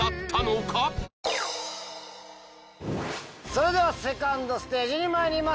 それではセカンドステージに参ります。